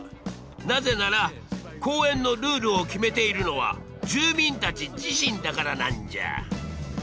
なぜなら公園のルールを決めているのは住民たち自身だからなんじゃ。